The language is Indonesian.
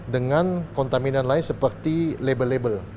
dengan kontaminan lain seperti label label